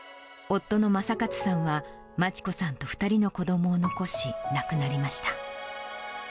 夫の正勝さんは真知子さんと２人の子どもを残し、亡くなりました。